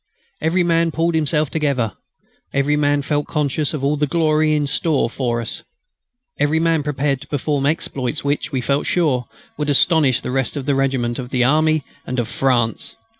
Every man pulled himself together. Every man felt conscious of all the glory in store for us. Every man prepared to perform exploits which, we felt sure, would astonish the rest of the regiment, of the army, and of France.